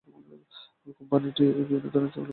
কোম্পানিটি বিভিন্ন ধরনের চকোলেট পণ্য উৎপাদন করে।